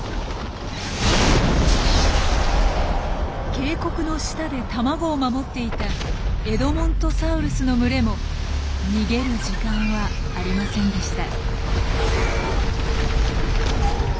渓谷の下で卵を守っていたエドモントサウルスの群れも逃げる時間はありませんでした。